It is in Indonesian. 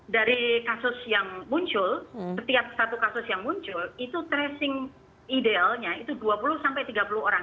dari kasus yang muncul setiap satu kasus yang muncul itu tracing idealnya itu dua puluh tiga puluh orang